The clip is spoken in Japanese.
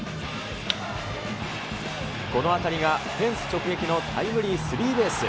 この当たりがフェンス直撃のタイムリースリーベース。